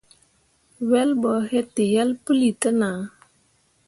Wel ɓo yetǝyel puli te nah.